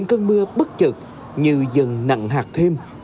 cơn mưa bất chật như dần nặng hạt thêm